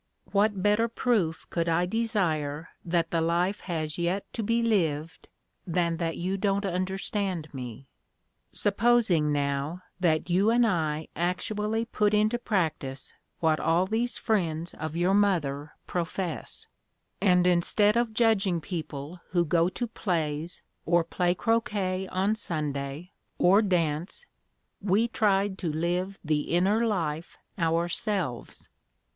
What better proof could I desire that the life has yet to be lived than that you don't understand me? Supposing, now, that you and I actually put into practice what all these friends of your mother profess, and, instead of judging people who go to plays, or play croquet on Sunday, or dance, we tried to live the inner life ourselves.